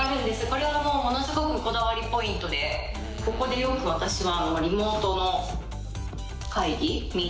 これはもうものすごくこだわりポイントでここでよく私は。